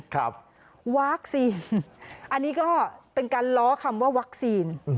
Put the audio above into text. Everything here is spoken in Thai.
วัคซีนอันนี้ก็เป็นการล้อคำว่าวัคซีน